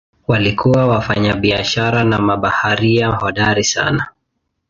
Walikuwa wafanyabiashara na mabaharia hodari sana.